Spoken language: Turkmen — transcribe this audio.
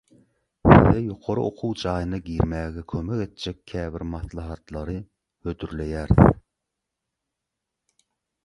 Size ýokary okuw jaýyna girmäge kömek etjek käbir maslahatlary hödürleýäris.